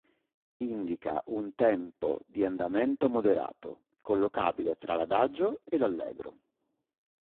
Indica un tempo di andamento moderato, collocabile tra l"adagio" e l"allegro".